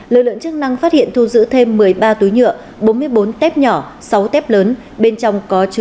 lực lượng chức năng phát hiện thu giữ thêm một mươi ba túi nhựa bốn mươi bốn tép nhỏ sáu tép lớn